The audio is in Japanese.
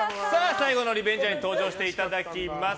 最後のリベンジャーに登場していただきます。